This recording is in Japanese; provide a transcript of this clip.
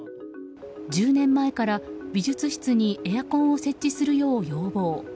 １０年前から、美術室にエアコンを設置するよう要望。